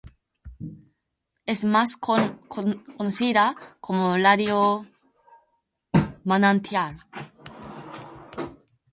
Es más conocida como Radio Manantial.